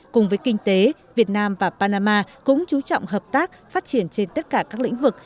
cùng với kinh tế việt nam và panama cũng chú trọng hợp tác phát triển trên tất cả các lĩnh vực